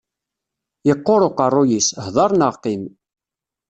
Yeqqur uqerruy-is, hdeṛ neɣ qqim.